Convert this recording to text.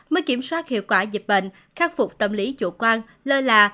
mới kiểm soát hiệu quả dịch bệnh khắc phục tâm lý chủ quan lơ là